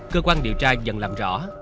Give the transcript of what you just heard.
cơ quan điều tra dần làm rõ